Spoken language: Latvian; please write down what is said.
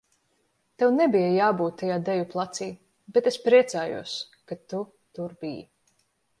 Tev nebija jābūt tajā deju placī, bet es priecājos, ka tur biji.